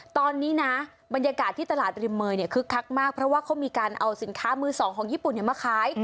ตอนนี้นะบรรยากาศที่ตลาดริมเมยเนี่ยคึกคักมากเพราะว่าเขามีการเอาสินค้ามือสองของญี่ปุ่นมาขาย